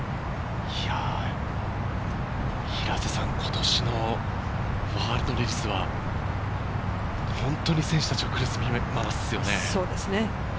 今年のワールドレディスは本当に選手たちを苦しめますよね。